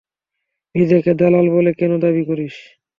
নিজেকে দালাল বলে কেন দাবি করিস?